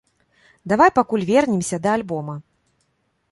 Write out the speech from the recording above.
Давай пакуль вернемся да альбома.